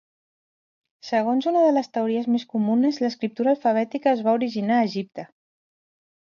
Segons una de les teories més comunes, l'escriptura alfabètica es va originar a Egipte.